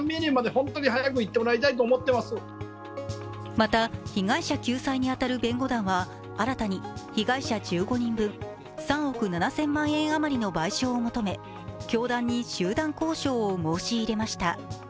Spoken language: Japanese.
また、被害者救済に当たる弁護団は新たに被害者１５人分、３億７０００万円あまりの賠償を求め、教団に集団交渉を申し入れました。